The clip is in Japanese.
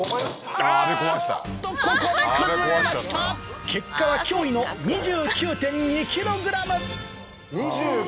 あっとここで崩れました結果は驚異の２９．２ｋｇ。